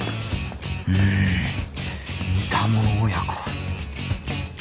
うむ似たもの親子